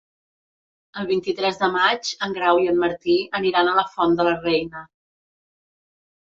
El vint-i-tres de maig en Grau i en Martí aniran a la Font de la Reina.